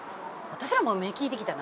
私らも目利いてきたな。